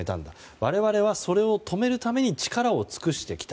我々はそれを止めるために力を尽くしてきた。